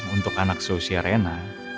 untuk anak selusia rena